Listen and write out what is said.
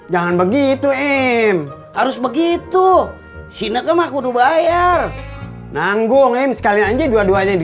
jangan begitu em harus begitu sini ke makudu bayar nanggung em sekali aja dua duanya di